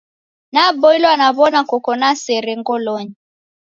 Naboilwa naw'ona koko na sere ngolonyi